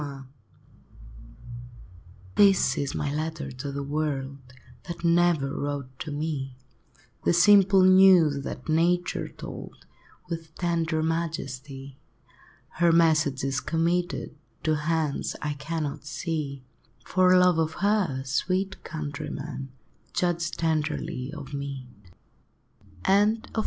JT This is my letter to the world, That never wrote to me, The simple news that Nature told, With tender majesty. Her message is committed To hands I cannot see; For love of her, sweet countrymen, Judge tenderly of me! I. LIFE. I.